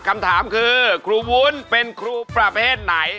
คำถามคือครูวุ้นเป็นครูประเภทไหน